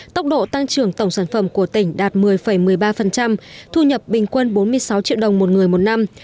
tốc độ tăng trưởng tổng sản phẩm của tỉnh đạt một mươi một mươi ba thu nhập bình quân bốn mươi sáu triệu đồng một người một năm